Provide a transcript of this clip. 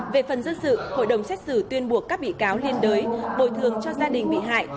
về phần dân sự hội đồng xét xử tuyên buộc các bị cáo liên đới bồi thường cho gia đình bị hại